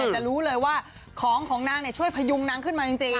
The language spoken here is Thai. จะรู้เลยว่าของของนางช่วยพยุงนางขึ้นมาจริง